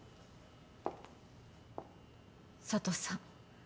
佐都さん。